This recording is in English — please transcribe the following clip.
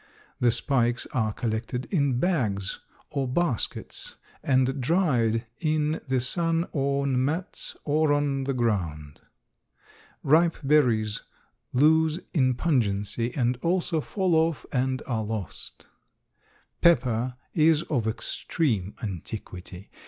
The spikes are collected in bags or baskets and dried in the sun on mats or on the ground. Ripe berries lose in pungency and also fall off and are lost. Pepper is of extreme antiquity.